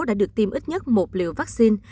đã được tiêm ít nhất một liều vaccine